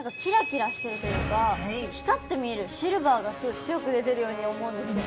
シルバーがすごい強く出てるように思うんですけど。